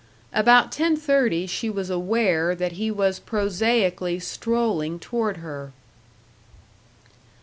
About ten thirty she was aware that he was prosaically strolling toward her.